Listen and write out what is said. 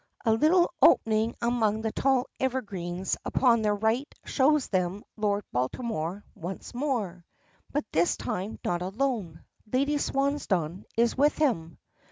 A little opening among the tall evergreens upon their right shows them Lord Baltimore once more, but this time not alone. Lady Swansdown is with him.